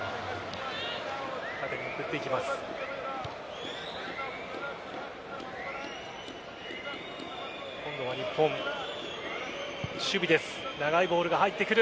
縦に送っていきます。